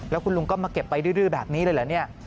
แล้วคุณลุงก็มาเก็บไปดื้อแบบนี้เลยเหรอเนี่ย